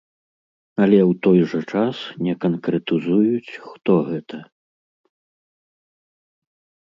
Але ў той жа час не канкрэтызуюць, хто гэта.